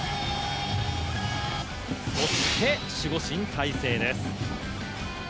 そして守護神・大勢です。